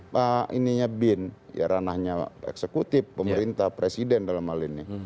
pak ininya bin ya ranahnya eksekutif pemerintah presiden dalam hal ini